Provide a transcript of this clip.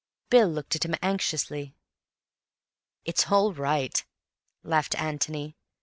Bill looked at him anxiously. "It's all right," laughed Antony.